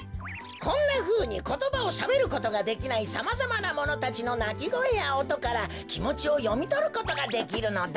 こんなふうにことばをしゃべることができないさまざまなものたちのなきごえやおとからきもちをよみとることができるのだ。